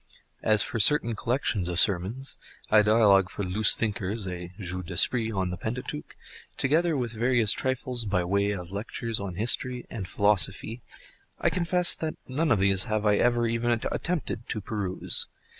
As for certain collections of sermons, a dialogue for loose thinkers, a jeu d'esprit on the Pentateuch, together with various trifles by way of lectures on history and philosophy, I confess that none of these have I ever even attempted to peruse.